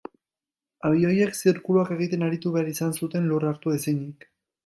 Abioiek zirkuluak egiten aritu behar izan zuten lur hartu ezinik.